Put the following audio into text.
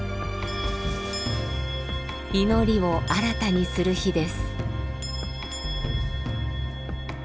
祈りを新たにする日です。